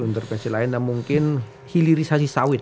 intervensi lain dan mungkin hilirisasi sawit